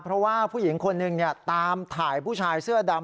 เพราะว่าผู้หญิงคนหนึ่งตามถ่ายผู้ชายเสื้อดำ